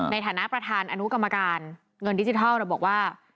ในฐานะประธานอนุกรรมการเงินดิจิทัลบอกว่า